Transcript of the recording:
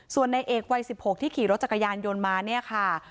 ส่วนในเอกวัย๑๖ที่ขี่รถจักรยานยนต์มาเนี่ยค่ะ